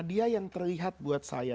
dia yang terlihat buat saya